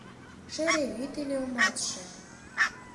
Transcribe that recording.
Шере вӱд ыле ӱматше